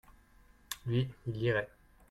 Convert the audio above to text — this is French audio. lui, il lirait.